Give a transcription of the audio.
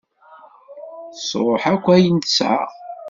Tesruḥ akk ayen i tesεa.